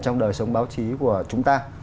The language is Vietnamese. trong đời sống báo chí của chúng ta